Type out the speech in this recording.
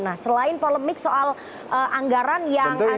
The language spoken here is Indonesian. nah selain polemik soal anggaran yang sangat besar